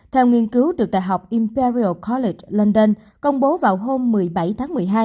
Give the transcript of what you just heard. theo nghiên cứu được đại học imperial coletch lendern công bố vào hôm một mươi bảy tháng một mươi hai